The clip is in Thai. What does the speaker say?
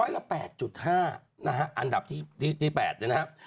นะฮะอันดับที่๘นะฮะ